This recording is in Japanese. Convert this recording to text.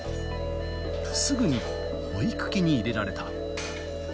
すぐに保育器に入れられた。